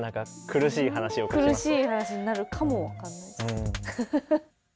苦しい話になるかも分かんないです。